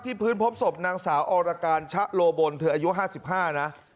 ที่พื้นพบสบนางสาวอห์ละการชะโรบอลเธออายุห้าสิบห้านะ